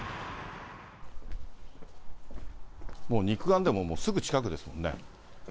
もう肉眼でも、もうすぐ近くですもんね。